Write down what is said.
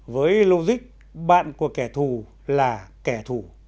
với logic bạn của kẻ thù là kẻ thù